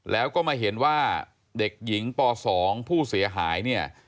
แล้วก็มาเห็นว่าเด็กหญิงป๒ผู้เสียหายเนี่ย